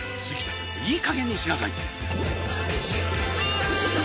いいかげんにしなさい。